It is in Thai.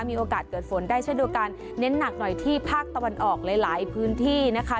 มีโอกาสเกิดฝนได้เช่นเดียวกันเน้นหนักหน่อยที่ภาคตะวันออกหลายหลายพื้นที่นะคะ